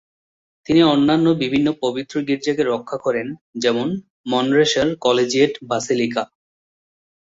তিনি অন্যান্য বিভিন্ন পবিত্র গীর্জাকে রক্ষা করেন যেমনঃ মনরেসার কলেজিয়েট বাসিলিকা।